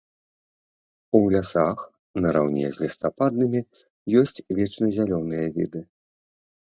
У лясах нараўне з лістападнымі ёсць вечназялёныя віды.